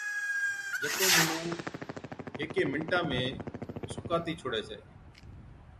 جڪو مُنُون هيڪي مِنٽا ۾ سُڪاتِي ڇوڙَي ڇَي۔